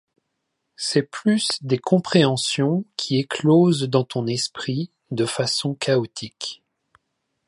C’est plus des compréhensions qui éclosent dans ton esprit, de façon chaotique.